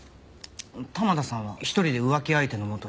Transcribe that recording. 玉田さんは一人で浮気相手の元に？